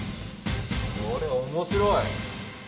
これ面白い。